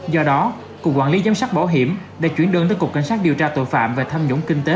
do đó cục quản lý giám sát bảo hiểm đã chuyển đơn tới cục cảnh sát điều tra tội phạm về tham nhũng kinh tế